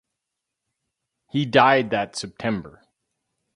He died that September.